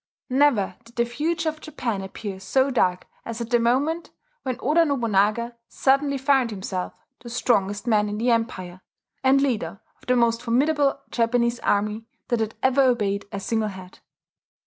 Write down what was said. Never did the future of Japan appear so dark as at the moment when Oda Nobunaga suddenly found himself the strongest man in the empire, and leader of the most formidable Japanese army that had ever obeyed a single head.